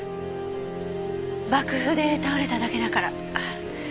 爆風で倒れただけだから。